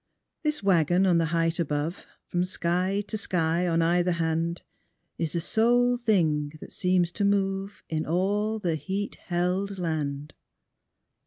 This wagon on the height above, From sky to sky on either hand, Is the sole thing that seems to move In all the heat held land.